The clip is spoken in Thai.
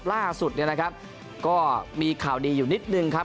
ล่าสุดเนี่ยนะครับก็มีข่าวดีอยู่นิดนึงครับ